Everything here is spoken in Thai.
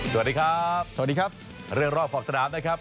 สวัสดีครับสวัสดีครับเรื่องรอบขอบสนามนะครับ